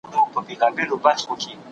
کېدای سي بدلون ګټور وي.